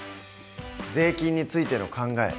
税金についての考え